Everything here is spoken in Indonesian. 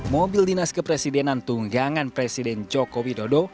mobil dinas kepresidenan tunggangan presiden joko widodo